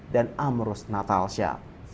dan amrus natalsya